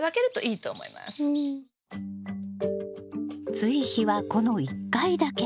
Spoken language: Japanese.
追肥はこの１回だけ。